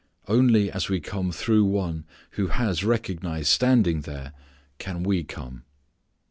Only as we come through one who has recognized standing there can we come.